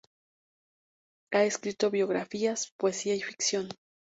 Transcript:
Ha escrito biografías, poesía y ficción.